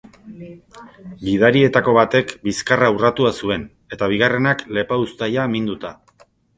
Gidarietako batek bizkarra urratua zuen, eta bigarrenak lepauztaia minduta.